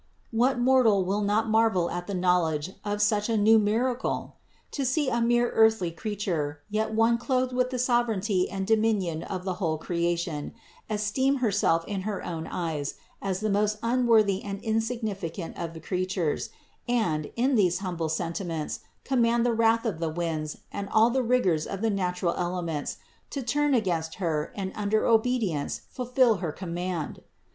What mortal will not marvel at the knowl edge of such a new miracle? To see a mere earthly creature, yet One clothed with the sovereignty and dominion of the whole creation, esteem Herself in her own eyes as the most unworthy and insignificant of the creatures, and, in these humble sentiments, command the wrath of the winds and all the rigors of the natural elements to turn against Her and under obedience fulfill her command